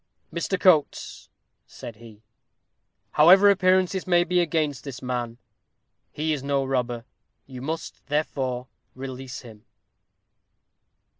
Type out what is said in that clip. "Mr. Coates," said he, "however appearances may be against this man, he is no robber you must, therefore, release him."